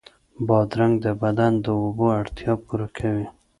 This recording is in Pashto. بادرنګ د بدن د اوبو اړتیا پوره کوي.